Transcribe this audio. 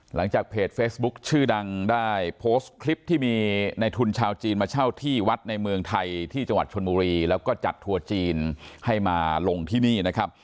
หลังจากเพจเฟซบุ๊คชื่อดังได้โพสต์คลิปที่มีในทุนชาวจีนมาเช่าที่วัดในเมืองไทยที่จังหวัดชนบุรีแล้วก็จัดทัวร์จีนให้มาลงที่นี่นะครับ